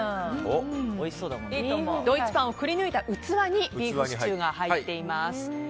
ドイツパンをくりぬいた器にビーフシチューが入っています。